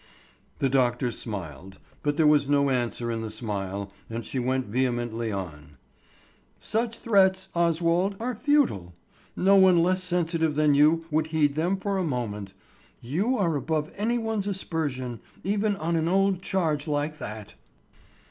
The doctor smiled, but there was no answer in the smile and she went vehemently on: "Such threats, Oswald, are futile. No one less sensitive than you would heed them for a moment. You are above any one's aspersion, even on an old charge like that."